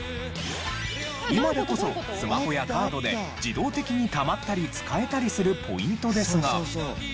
今でこそスマホやカードで自動的にたまったり使えたりするポイントですが。